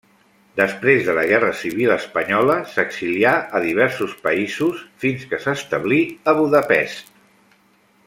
Després de la guerra civil espanyola s'exilià a diversos països, fins que s'establí a Budapest.